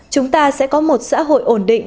chúng ta sẽ có một xã hội ổn định